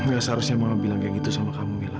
ya seharusnya mama bilang kayak gitu sama kamu mila